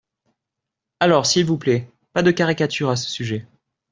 Alors, s’il vous plaît, pas de caricature à ce sujet.